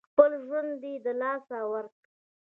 خپل ژوند یې له لاسه ورکړ.